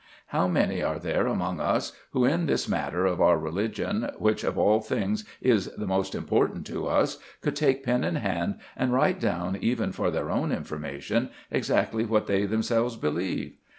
How many are there among us who, in this matter of our religion, which of all things is the most important to us, could take pen in hand and write down even for their own information exactly what they themselves believe?